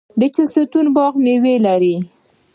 د چهلستون باغ میوې لري.